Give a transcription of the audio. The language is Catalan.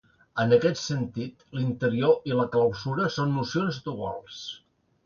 En aquest sentit, l'interior i la clausura són nocions duals.